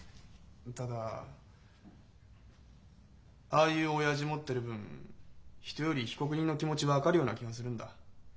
ただああいう親父持ってる分人より被告人の気持ち分かるような気がするんだ。